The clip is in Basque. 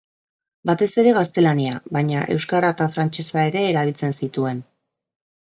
Batez ere gaztelania, baina euskara eta frantsesa ere erabiltzen zituen.